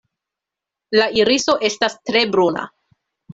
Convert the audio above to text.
La iriso estas tre bruna.